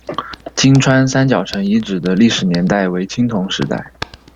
金川三角城遗址的历史年代为青铜时代。